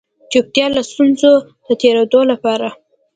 چوپتيا له ستونزو د تېرېدلو لپاره